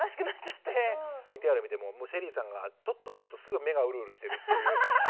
ＶＴＲ見てもＳＨＥＬＬＹさんがちょっとするとすぐ目がウルウルしてるっていう。